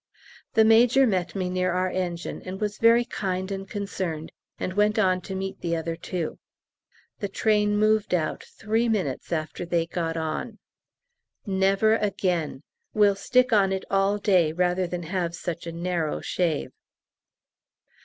The Major met me near our engine, and was very kind and concerned, and went on to meet the other two. The train moved out three minutes after they got on. Never again! we'll stick on it all day rather than have such a narrow shave.